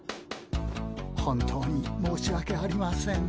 本当に申しわけありません。